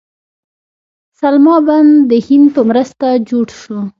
سلما بند د هند په مرسته جوړ شو